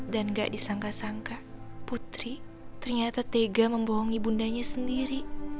gak disangka sangka putri ternyata tega membohongi bundanya sendiri